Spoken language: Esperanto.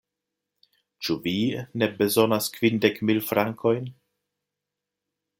Ĉu vi ne bezonas kvindek mil frankojn?